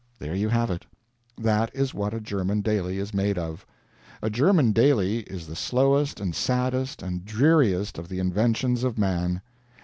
There you have it. That is what a German daily is made of. A German daily is the slowest and saddest and dreariest of the inventions of man.